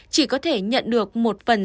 chỉ có thể nhận được một phần